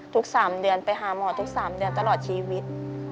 ๓เดือนไปหาหมอทุก๓เดือนตลอดชีวิต